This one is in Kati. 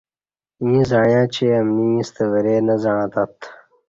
ییں زعیاں چہ امنی ایݩستہ ورے نہ زعݩتت